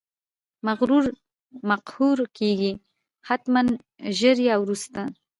مغرور مقهور کیږي، حتمأ ژر یا وروسته!